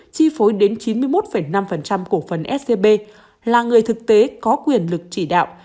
chi phối đến chín mươi một năm cổ phần scb là người thực tế có quyền lực chỉ đạo